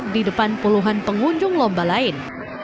di depan puluhan pengunjung lomba lain